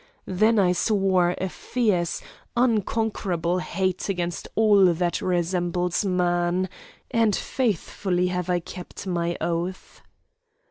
Then I swore a fierce, unconquerable hate against all that resembles man, and faithfully have I kept my oath.